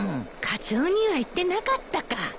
カツオには言ってなかったか！